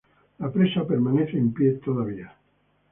La presa permanece en pie todavía.